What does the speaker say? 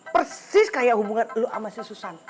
persis kayak hubungan lo sama si susan